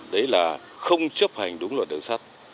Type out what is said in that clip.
đấy là không chấp hành đúng luật đường sắt